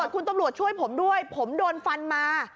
คุณตำรวจช่วยผมด้วยผมโดนฟันมา